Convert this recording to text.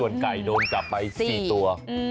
ส่วนไก่โดนจับไป๔ตัว